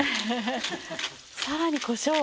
フフフさらにこしょう。